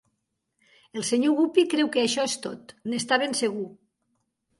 El Sr. Guppy creu que això és tot; n'està ben segur.